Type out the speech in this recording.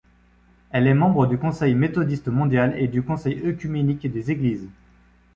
Elle est membre du Conseil méthodiste mondial et du Conseil œcuménique des Églises.